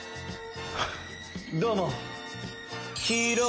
どうも。